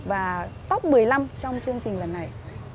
và top một mươi năm trong chương trình lần này